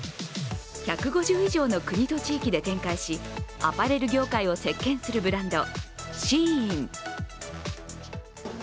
１５０以上の国と地域で展開しアパレル業界を席巻するブランド、ＳＨＥＩＮ。